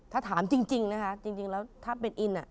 ถ้าถามจริงนะคะจริงแล้วถ้าเป็นอิน